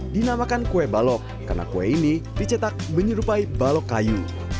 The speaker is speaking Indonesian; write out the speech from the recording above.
dinamakan kue balok karena kue ini dicetak menyerupai balok kayu